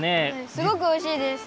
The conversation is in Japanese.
すごくおいしいです。